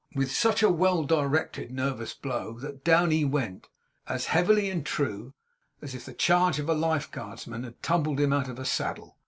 With such a well directed nervous blow, that down he went, as heavily and true as if the charge of a Life Guardsman had tumbled him out of a saddle.